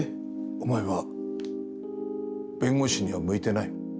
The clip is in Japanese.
お前は弁護士には向いてない。